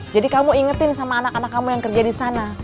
jadi kamu ingetin sama anak anak kamu yang kerja di sana